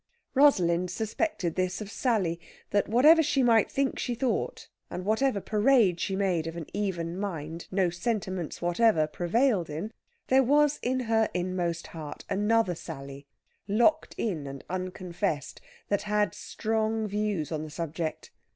Rosalind suspected this of Sally, that whatever she might think she thought, and whatever parade she made of an even mind no sentiments whatever prevailed in, there was in her inmost heart another Sally, locked in and unconfessed, that had strong views on the subject.